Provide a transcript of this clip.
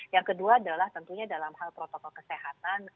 yang kedua adalah tentunya dalam hal protokol kesehatan